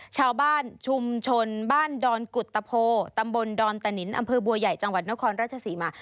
ชาวบ้านชุมชนบ้านดอนกุตตะโพตำบลดอนตะนินอำเภอบัวใหญ่จังหวัดนครราชศรีมา